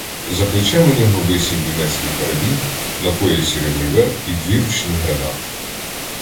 За плечем у нього висів німецький карабін, на поясі — револьвер і дві ручні гранати.